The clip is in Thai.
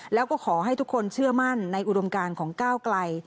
แล้วก็ขอให้ทุกคนเชื่อมั่นในอุดมการของก้าวไกล